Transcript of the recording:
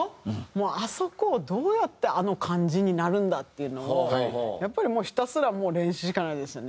もうあそこをどうやってあの感じになるんだっていうのをやっぱりひたすらもう練習しかないですよね。